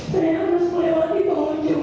saya harus melewati pengunjung